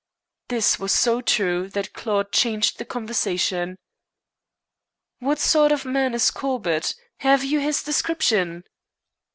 This was so true that Claude changed the conversation. "What sort of man is Corbett? Have you his description?"